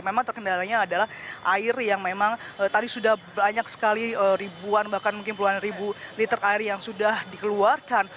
memang terkendalanya adalah air yang memang tadi sudah banyak sekali ribuan bahkan mungkin puluhan ribu liter air yang sudah dikeluarkan